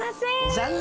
残念！